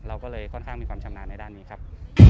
เราก็เลยค่อนข้างมีความชำนาญในด้านนี้ครับ